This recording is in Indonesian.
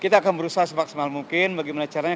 kita akan berusaha semaksimal mungkin bagaimana caranya